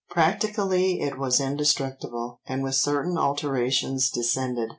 Practically it was indestructible, and with certain alterations descended.